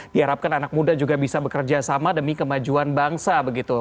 diharapkan anak muda juga bisa bekerja sama demi kemajuan bangsa begitu